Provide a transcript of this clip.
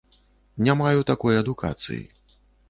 Не маю такой адукацыі.